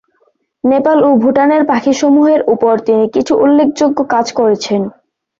নেপাল ও ভুটানের পাখি সমূহের উপর তিনি কিছু উল্লেখযোগ্য কাজ করেছেন।